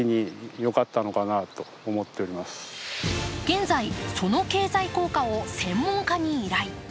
現在、その経済効果を専門家に依頼。